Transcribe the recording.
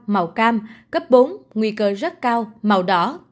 màu cam cấp bốn nguy cơ rất cao màu đỏ